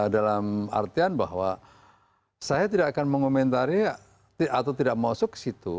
dalam artian bahwa saya tidak akan mengomentari atau tidak masuk ke situ